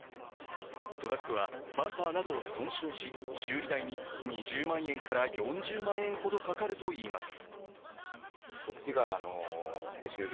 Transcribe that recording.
トラックはバンパーなどを損傷し、修理代に２０万円から４０万円ほどかかるといいます。